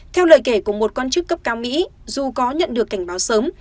theo lời kể của một quan chức cấp cao mỹ dù có nhận được cảnh báo sớm